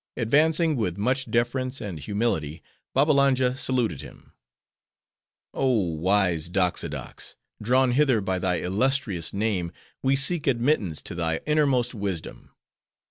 Advancing with much deference and humility, Babbalanja saluted him. "Oh wise Doxodox! Drawn hither by thy illustrious name, we seek admittance to thy innermost wisdom.